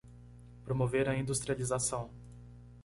Promover a industrialização